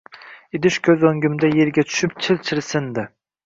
Idish ko`z o`ngimda erga tushib chil-chil sindi